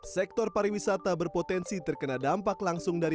sektor pariwisata berpotensi terkena dampak langsung dari